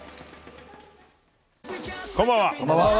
こんばんは。